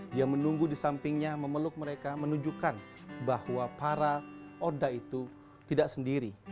dia menunggu di sampingnya memeluk mereka menunjukkan bahwa para oda itu tidak sendiri